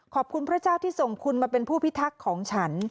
พระเจ้าที่ส่งคุณมาเป็นผู้พิทักษ์ของฉัน